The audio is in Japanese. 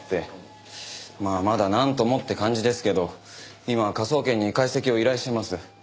まあまだなんともって感じですけど今科捜研に解析を依頼しています。